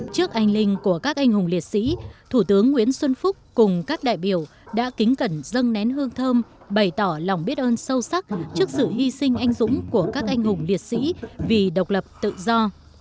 trước anh linh của các anh hùng liệt sĩ thủ tướng nguyễn xuân phúc cùng các đại biểu đã kính cẩn dâng nén hương thơm bày tỏ lòng biết ơn sâu sắc trước sự hy sinh anh dũng của các anh hùng liệt sĩ vì độc lập tự do